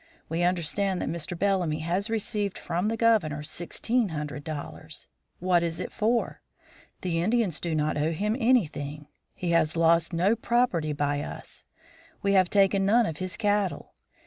We understand that Mr. Bellamy has received from the Governor sixteen hundred dollars; what is it for? The Indians do not owe him anything, he has lost no property by us, we have taken none of his cattle.